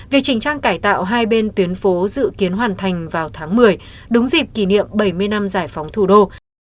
việc chỉnh trang cải tạo hai bên tuyến phố dự kiến hoàn thành vào tháng một mươi đúng dịp kỷ niệm bảy mươi năm giải phóng thủ đô